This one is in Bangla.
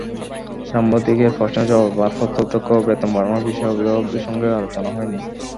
সাংবাদিকদের প্রশ্নের জবাবে ভারপ্রাপ্ত অধ্যক্ষ বেতন বাড়ানোর বিষয়ে অভিভাবকদের সঙ্গে আলোচনা হয়নি।